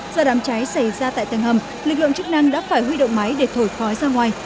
do đám cháy xảy ra tại tầng hầm lực lượng chức năng đã phải huy động máy để thổi khói ra ngoài